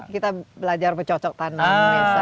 kita belajar bercocok tanam